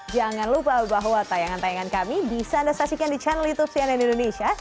jangan lupa bahwa tayangan tayangan kami bisa anda saksikan di channel youtube cnn indonesia